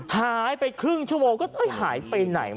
หายไปครึ่งชั่วโมงก็หายไปไหน